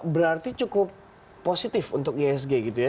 berarti cukup positif untuk ihsg gitu ya